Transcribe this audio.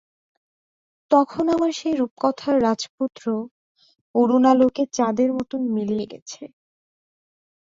তখন আমার সেই রূপকথার রাজপুত্র অরুণালোকে চাঁদের মতো মিলিয়ে গেছে।